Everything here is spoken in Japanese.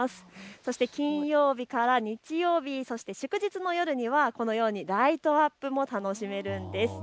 そして金曜日から日曜日、そして祝日の夜にはこのようにライトアップも楽しめるんです。